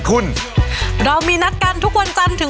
สวัสดีครับ